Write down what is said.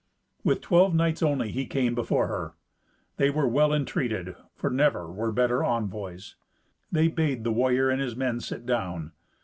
With twelve knights only he came before her. They were well entreated, for never were better envoys. They bade the warrior and his men sit down.